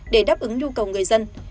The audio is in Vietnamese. để đáp ứng nhu cầu người dân